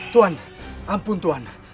tuhan ampun tuhan